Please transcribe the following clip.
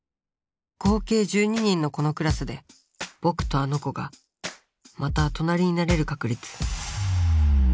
合計１２人のこのクラスでぼくとあの子がまた隣になれる確率。